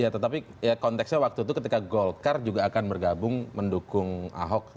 tetapi konteksnya waktu itu ketika golkar juga akan bergabung mendukung ahok